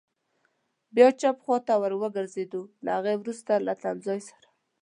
بیا چپ خوا ته ور وګرځېدو، له هغه وروسته له تمځای سره.